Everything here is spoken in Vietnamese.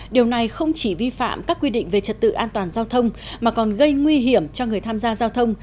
điều này không chỉ vi phạm các quy định về trật tự an toàn giao thông mà còn gây nguy hiểm cho người tham gia giao thông